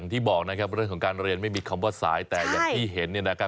รุ่นพี่เขาจะรับน้องยังไงเนี่ยเออเออนั่นสิเขาจะรับน้องยังไง